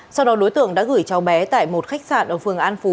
sau đó đối tượng đã gửi cháu bé tại một khách sạn ở phường an phú